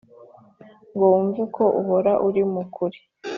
ngo wumve ko uhora uri mukuri